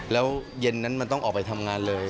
แล้วเย็นนั้นมันต้องออกไปทำงานเลย